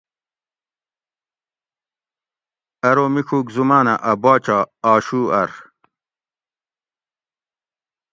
آرو میڄوک زُمانہ اٞ باچہ آ شو اٞر